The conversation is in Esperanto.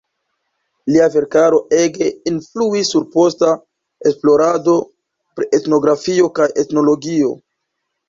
Lia verkaro ege influis sur posta esplorado pri etnografio kaj etnologio.